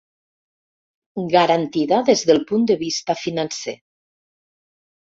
Garantida des del punt de vista financer.